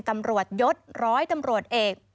ตำรวจยศร้อยตำรวจเอก